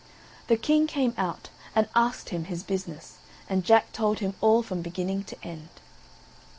The King came out, and asked him his business; and Jack told him all from beginning to end.